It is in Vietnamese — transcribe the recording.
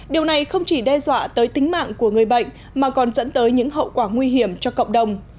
điều này không chỉ đe dọa tới tính mạng của người bệnh mà còn dẫn tới những hậu quả nguy hiểm cho cộng đồng